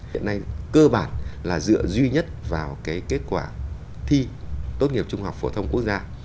hiện nay cơ bản là dựa duy nhất vào cái kết quả thi tốt nghiệp trung học phổ thông quốc gia